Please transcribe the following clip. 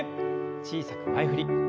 小さく前振り。